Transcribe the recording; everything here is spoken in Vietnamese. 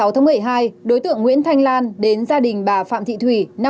trưa ngày sáu tháng một mươi hai đối tượng nguyễn thanh lan đến gia đình bà phạm thị thủy